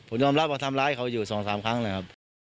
ผมยอมรับว่าทำร้ายเขาอยู่๒๓ครั้งนะครับ